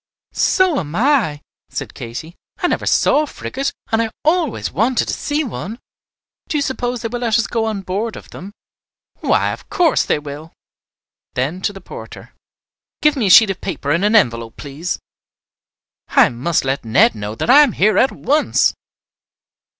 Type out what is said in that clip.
"So am I," said Katy. "I never saw a frigate, and I always wanted to see one. Do you suppose they will let us go on board of them?" "Why, of course they will." Then to the porter, "Give me a sheet of paper and an envelope, please. I must let Ned know that I am here at once."